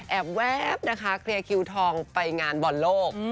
แวบนะคะเคลียร์คิวทองไปงานบอลโลก